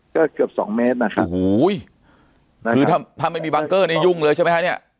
ก็เกือบสองเมตรนะครับโอ้โหคือถ้าถ้าไม่มีบังเกอร์นี่ยุ่งเลยใช่ไหมฮะเนี่ย